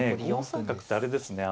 ５三角ってあれですね